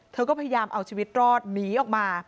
เธอก็พยายามเอาชีวิตรอดหนีออกมา